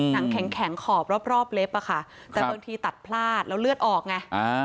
แข็งขอบรอบเล็บอะค่ะแต่บางทีตัดพลาดแล้วเลือดออกไง